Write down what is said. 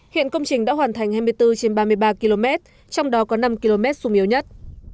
hiện công trình đã hoàn thành hai mươi bốn trên ba mươi ba km trong đó có năm km sung yếu nhất